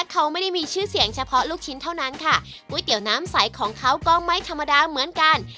เขาไม่ได้มีชื่อเสียงเฉพาะลูกชิ้นเท่านั้นค่ะก๋วยเตี๋ยวน้ำใสของเขาก็ไม่ธรรมดาเหมือนกัน